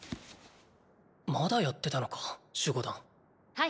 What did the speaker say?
まだやってたのか守護団ーー。